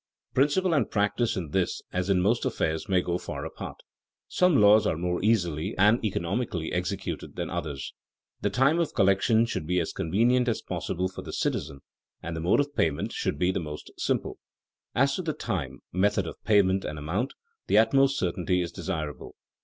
Principle and practice in this as in most affairs may go far apart. Some laws are more easily and economically executed than others. The time of collection should be as convenient as possible for the citizen, and the mode of payment should be the most simple. As to the time, method of payment, and amount, the utmost certainty is desirable.